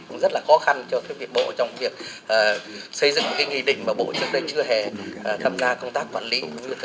cũng rất là khó khăn cho cái việc bộ trong việc xây dựng cái nghị định mà bộ trước đây chưa hề tham gia công tác quản lý